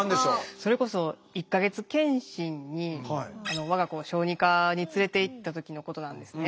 それこそ１か月検診に我が子を小児科に連れていった時のことなんですね。